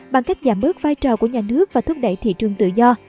bằng cách giảm bớt vai trò của nhà nước và thúc đẩy thị trường tự do